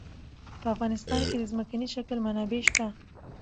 په افغانستان کې د ځمکنی شکل منابع شته.